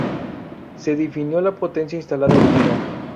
Se definió la potencia instalada original.